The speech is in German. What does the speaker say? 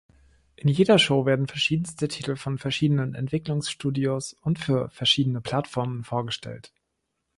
In jeder Show werden verschiedenste Titel von verschiedenen Entwicklungsstudios und für verschiedene Plattformen vorgestellt.